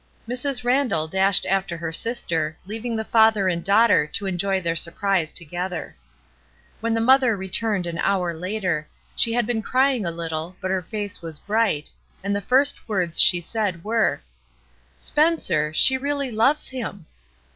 Mrs. Randall dashed after her sister, leaving the father and daughter to enjoy their surprise together. When the mother returned an hour later, she 324 ESTER RIED'S NAMESAKE had been crying a little, but her face was bright, and the first words she said were :— "Spencer, she really loves him!"